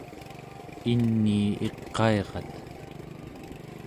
inii iqairat